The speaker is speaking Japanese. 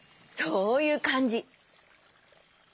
そういうかんじ。